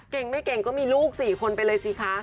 เก่งไม่เก่งก็มีลูกสี่คนไปเลยสิคะ